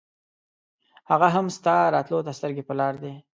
هغه هم ستا راتلو ته سترګې پر لار دی.